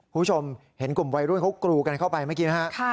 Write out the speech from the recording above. คุณผู้ชมเห็นกลุ่มวัยรุ่นเขากรูกันเข้าไปเมื่อกี้นะฮะ